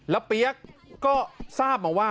แล้วเปี๊ยกก็ทราบมาว่า